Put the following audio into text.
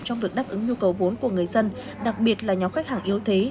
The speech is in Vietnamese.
trong việc đáp ứng nhu cầu vốn của người dân đặc biệt là nhóm khách hàng yếu thế